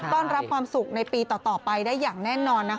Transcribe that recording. ต้อนรับความสุขในปีต่อไปได้อย่างแน่นอนนะคะ